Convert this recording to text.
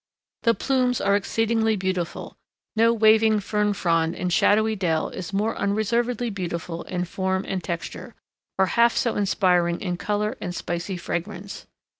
The plumes are exceedingly beautiful; no waving fern frond in shady dell is more unreservedly beautiful in form and texture, or half so inspiring in color and spicy fragrance.